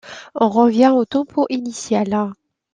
On revient au tempo initial.